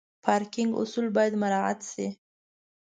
پارکینګ اصول باید مراعت شي.